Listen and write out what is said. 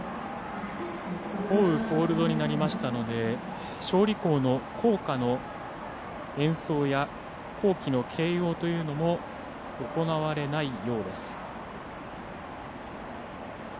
降雨コールドになりましたので勝利校の校歌の演奏や校旗の掲揚というのも行われないようです。